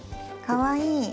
かわいい。